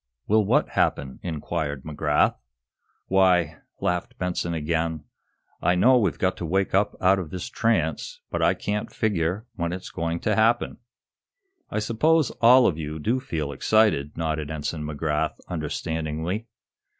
"Will what happen?" inquired McGrath. "Why," laughed Benson again, "I know we've got to wake up out of this trance, but I can't figure when it's going to happen." "I suppose all of you do feel excited," nodded Ensign McGrath, understandingly.